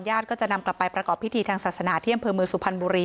ก็จะนำกลับไปประกอบพิธีทางศาสนาที่อำเภอเมืองสุพรรณบุรี